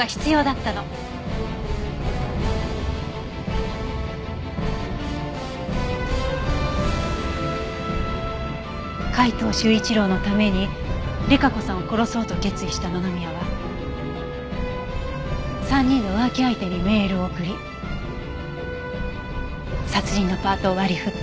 『罪と罰』海東柊一郎のために莉華子さんを殺そうと決意した野々宮は３人の浮気相手にメールを送り殺人のパートを割り振った。